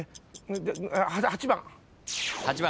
８番。